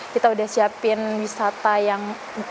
kita udah siapin wisata yang